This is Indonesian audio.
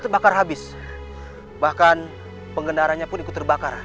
tetap bisa tidur gue